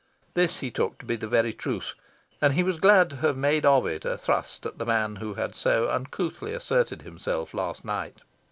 This he took to be the very truth, and he was glad to have made of it a thrust at the man who had so uncouthly asserted himself last night.